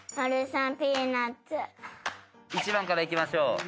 １番からいきましょう。